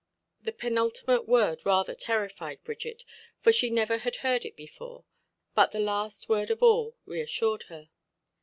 The penultimate word rather terrified Bridget, for she never had heard it before; but the last word of all reassured her.